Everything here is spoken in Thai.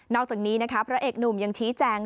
อกจากนี้นะคะพระเอกหนุ่มยังชี้แจง